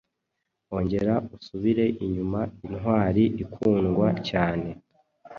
Ongera usubire inyuma intwari ikundwa cyane